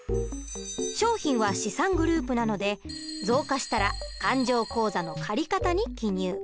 商品は資産グループなので増加したら勘定口座の借方に記入。